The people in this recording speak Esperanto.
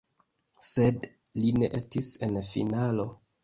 Sed li ne estis en finalo.